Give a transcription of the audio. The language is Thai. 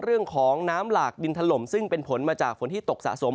เรื่องของน้ำหลากดินถล่มซึ่งเป็นผลมาจากฝนที่ตกสะสม